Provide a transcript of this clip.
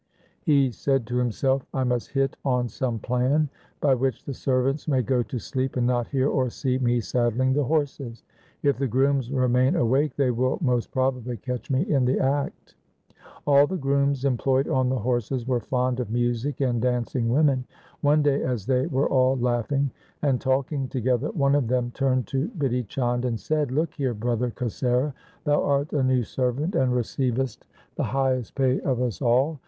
He said to himself, ' I must hit on some plan by which the servants may go to sleep and not hear or see me saddling the horses. If the grooms remain awake, they will most probably catch me in the act.' All the grooms employed on the horses were fond of music and dancing women. One day, as they were all laughing and talking together, one of them turned to Bidhi Chand and said, ' Look here, brother Kasera, thou art a new servant and receivest the 166 THE SIKH RELIGION highest pay of us all.